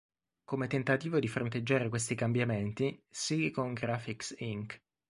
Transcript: Come tentativo di fronteggiare questi cambiamenti, Silicon Graphics Inc.